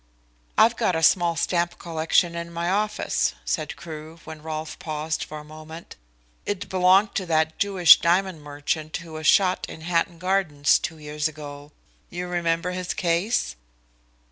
"I've got a small stamp collection in my office," said Crewe, when Rolfe paused for a moment. "It belonged to that Jewish diamond merchant who was shot in Hatton Gardens two years ago. You remember his case?"